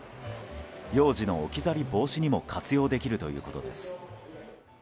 幼児の置き去り防止にも活用できるということです。